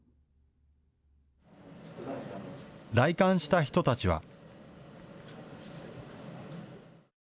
来館した人たちは。